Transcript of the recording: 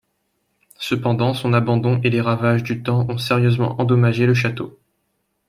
Cependant, son abandon et les ravages du temps ont sérieusement endommagé le château.